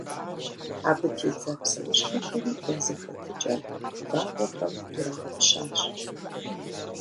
Абы тедза псэущхьэхэм я зэхэтыкӀэр вагъуэхэм ирагъэпщащ.